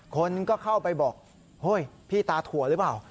คนก็เข้าไปบอกเฮ้ยพี่ตาถั่วหรือเปล่า